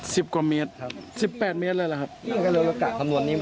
สิบกว่ามิตร๑๘เมตรเลยหรอครับ